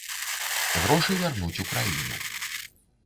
Грошы вярнуць у краіну.